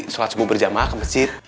sholat subuh berjamaah ke masjid